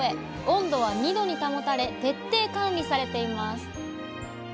温度は２℃に保たれ徹底管理されています。